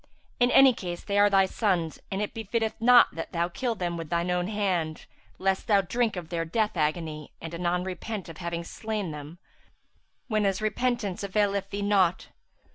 In any case, they are thy sons, and it befitteth not that thou kill them with shine own hand, lest thou drink of their death agony,[FN#362] and anon repent of having slain them whenas repentance availeth thee naught.